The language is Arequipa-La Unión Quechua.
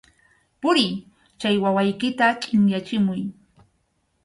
¡Puriy, chay wawaykita chʼinyachimuy!